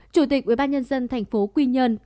chủ tịch ubnd thành phố quy nhân